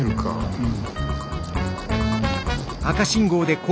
うん。